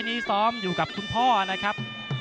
นักมวยจอมคำหวังเว่เลยนะครับ